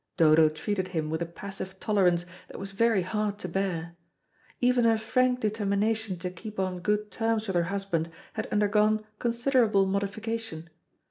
Dodo treated him with a passive tolerance that was very hard to bear. Even her frank determination to keep on good terms with her husband had undergone considerable modification.